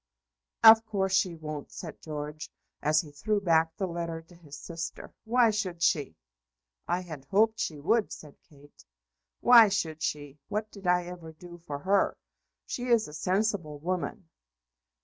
"Of course she won't," said George, as he threw back the letter to his sister. "Why should she?" "I had hoped she would," said Kate. "Why should she? What did I ever do for her? She is a sensible woman.